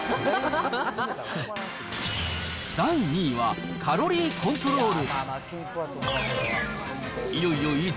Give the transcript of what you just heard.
第２位はカロリーコントロール。